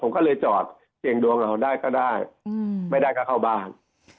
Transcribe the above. ผมก็เลยจอดเสี่ยงดวงเราได้ก็ได้ไม่ได้ก็เข้าบ้าน